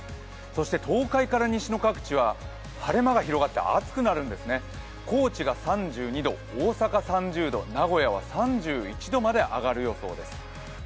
そして東海から西の各地は晴れ間が広がって暑くなるんですね、高知が３２度、大阪３０度、名古屋は３１度まで上がる予想です。